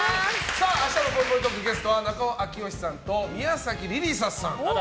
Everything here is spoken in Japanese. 明日のぽいぽいトーク、ゲストは中尾明慶さんと宮崎莉里沙さん。